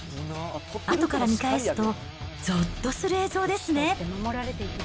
あとから見返すとぞっとする映像ですね。